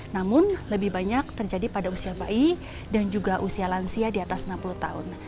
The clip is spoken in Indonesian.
namun lebih banyak terjadi pada usia bayi dan juga usia lansia di atas enam puluh tahun